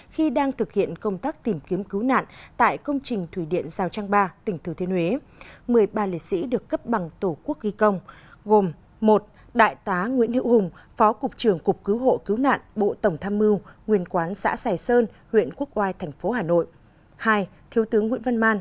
khi đang thực hiện công tác tìm kiếm cứu nạn tại công trình thủy điện giao trang ba tỉnh thứ thiên huế